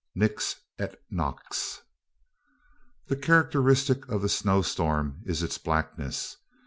NIX ET NOX. The characteristic of the snowstorm is its blackness.